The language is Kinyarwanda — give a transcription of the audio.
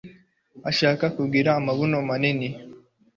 ashaka kugira amabuno manini